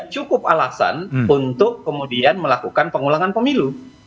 cukup alasan untuk kemudian melakukan pengulangan pemilu